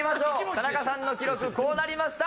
田中さんの記録こうなりました。